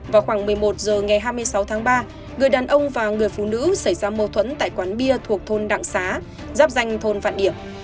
vào khoảng một mươi một h ngày hai mươi sáu tháng ba người đàn ông và người phụ nữ xảy ra mâu thuẫn tại quán bia thuộc thôn đặng xá giáp danh thôn vạn điểm